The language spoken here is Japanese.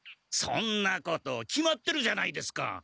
そんなこと決まってるじゃないですか。